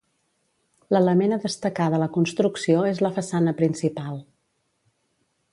L'element a destacar de la construcció és la façana principal.